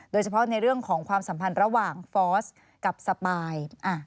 โดยเฉพาะในเรื่องของความสัมพันธ์ระหว่างฟอสกับสปาย